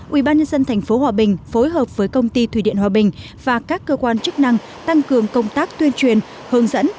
ubnd tp hòa bình phối hợp với công ty thủy điện hòa bình và các cơ quan chức năng tăng cường công tác tuyên truyền hướng dẫn